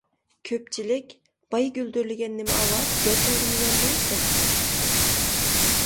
كۆپچىلىك:-بايا گۈلدۈرلىگەن نېمە ئاۋاز؟ يەر تەۋرىمىگەندۇ؟ دەپ سورىشىپتۇ.